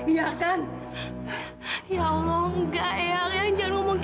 ya allah eyang